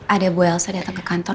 ada bu elsa datang ke kantor